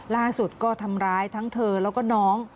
ล่าสุดก็ทำร้ายทั้งเธอแล้วก็น้อง